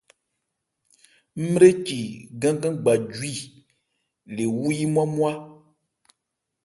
Ńmréci gán-gán gbajwi 'le wú yí nmwá-nmwá.